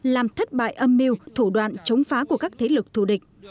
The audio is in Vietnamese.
làm thất bại âm mưu thủ đoạn chống phá của các thế lực thù địch